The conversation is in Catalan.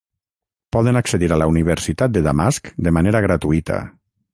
Poden accedir a la Universitat de Damasc de manera gratuïta.